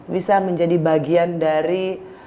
bisa menjadi bagian dari